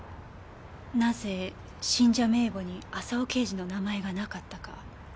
なぜ信者名簿に浅尾刑事の名前がなかったか。